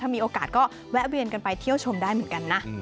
มีโอกาสก็แวะเวียนกันไปเที่ยวชมได้เหมือนกันนะ